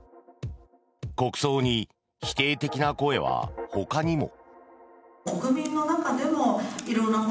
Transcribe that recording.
国葬に否定的な声はほかにも。